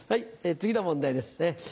次の問題です。